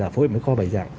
phối hợp với kho bài giảng